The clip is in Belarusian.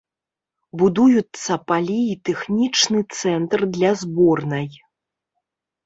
Будуюцца палі і тэхнічны цэнтр для зборнай.